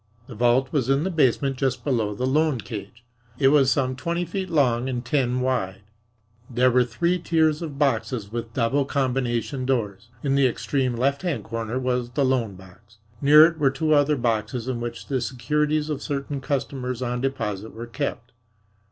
The vault was in the basement just below the loan cage. It was some twenty feet long and ten wide. There were three tiers of boxes with double combination doors. In the extreme left hand corner was the "loan box." Near it were two other boxes in which the securities of certain customers on deposit were kept.